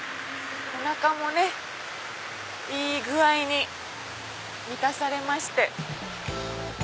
おなかもねいい具合に満たされまして。